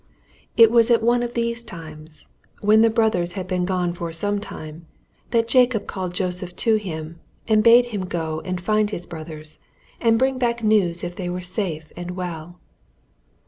It was at one of these times, when the brothers had been gone for some time, that Jacob called Joseph to him, and bade him go and find his brothers, and bring back news if they were safe and well.